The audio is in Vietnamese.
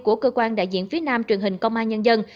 của cơ quan đại diện phía nam truyền hình công an nhân dân